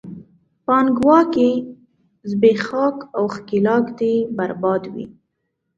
پانګواکي، زبېښاک او ښکېلاک دې برباد وي!